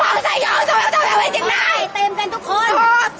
อาหรับเชี่ยวจามันไม่มีควรหยุด